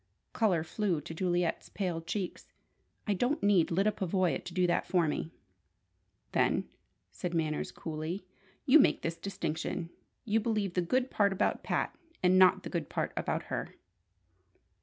Colour flew to Juliet's pale cheeks. "I don't need Lyda Pavoya to do that for me!" "Then," said Manners, coolly, "you make this distinction. You believe the good part about Pat, and not the good part about her."